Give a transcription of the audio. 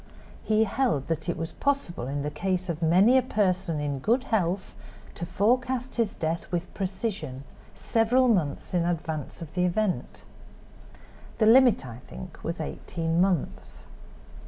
He held that it was possible in the case of many a person in good health to forecast his death with precision, several months in advance of the event. The limit, I think, was eighteen months.